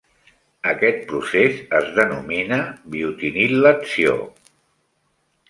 Aquest procés es denomina "biotinil·latció"